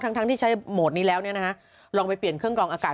ทั้งที่ใช้โหมดนี้แล้วลองไปเปลี่ยนเครื่องกองอากาศ